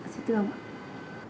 xin thưa ông ạ